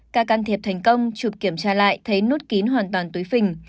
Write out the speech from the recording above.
các can thiệp thành công chụp kiểm tra lại thấy nút kín hoàn toàn túi phình